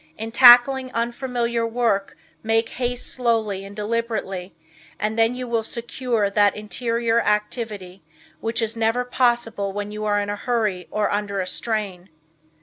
In tackling unfamiliar work make haste slowly and deliberately and then you will secure that interior activity, which is never possible when you are in a hurry or under a strain.